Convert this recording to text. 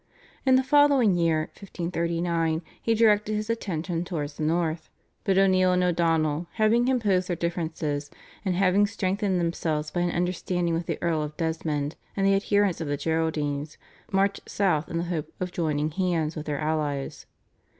In the following year (1539) he directed his attention towards the North, but O'Neill and O'Donnell, having composed their differences, and having strengthened themselves by an understanding with the Earl of Desmond and the adherents of the Geraldines, marched south in the hope of joining hands with their allies.